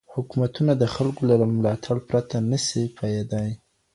حکومتونه د خلګو له ملاتړ پرته نه سي پايېدای.